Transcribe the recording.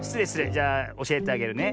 じゃあおしえてあげるね。